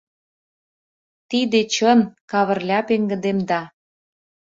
— Тиде чын, — Кавырля пеҥгыдемда.